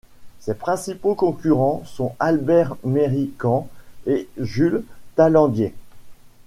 Ses principaux concurrents sont Albert Méricant et Jules Tallandier.